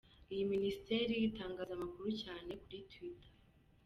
Iyi Minisiteri itangaza amakuru cyane kuri Twitter.